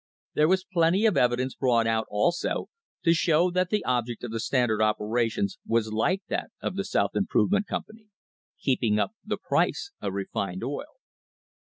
There was plenty of evidence brought out, also, to show that the object of the Standard operations was like that of the South Improvement Company — keeping up the price of refined oil.